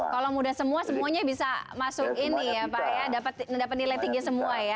kalau muda semua semuanya bisa masuk ini ya pak ya dapat nilai tinggi semua ya